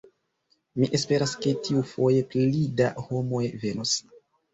Mi esperas ke tiufoje, pli da homoj venos.